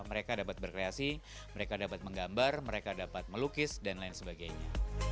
mereka dapat berkreasi mereka dapat menggambar mereka dapat melukis dan lain sebagainya